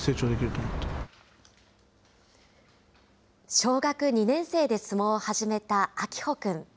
小学２年生で相撲を始めた明峰君。